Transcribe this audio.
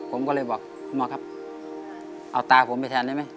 ผมก็เลยบอกคุณหมอครับเอาตาผมไปแทนได้ไหม